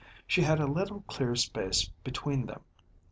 She had a little clear space between them.